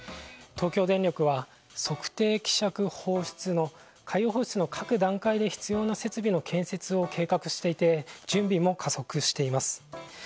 東京電力は測定・希釈・放出の海洋放出の拡大で必要な設備の建設を計画していて準備も加速しています。